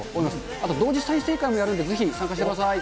あと同時再生会もやるんで参加してください。